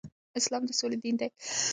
اسلام د سولې دين دی